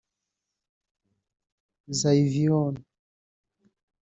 Xayvion